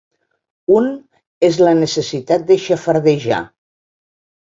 Un és la necessitat de xafardejar.